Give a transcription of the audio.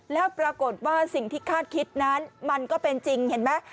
แล้วปรากฏว่าสิ่งที่คาดคิดนั้นมันก็เป็นจริงเห็นไหม